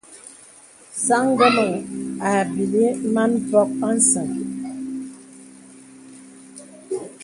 Sāŋ ngəməŋ àbīlí màn mpòk àsəŋ.